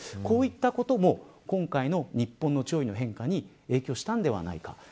こういったことも今回の日本の潮位の変化に影響したんではないか。